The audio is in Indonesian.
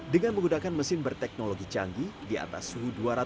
dengan menggunakan mesin berteknologi canggih di atas suhu dua ratus meter